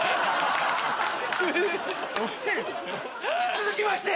続きまして！